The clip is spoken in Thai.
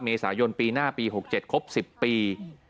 เมษายนปีหน้าปี๖๗ครบ๑๐ปี